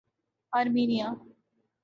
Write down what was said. آرمینیائی